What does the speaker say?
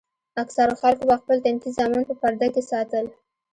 اکثرو خلکو به خپل تنکي زامن په پرده کښې ساتل.